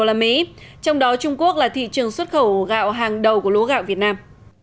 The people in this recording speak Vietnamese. trong đó trung quốc là thị trường xuất khẩu gạo hàng đầu của lúa gạo việt nam